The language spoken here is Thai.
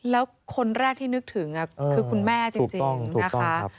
แล้วคนแรกที่นึกถึงคือคุณแม่จริงนะคะ